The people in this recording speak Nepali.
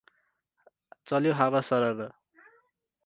चल्यो हावा सरर ।